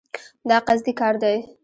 دا قصدي کار دی.